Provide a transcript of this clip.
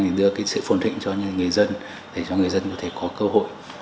để đưa sự phồn thịnh cho những người dân để cho người dân có cơ hội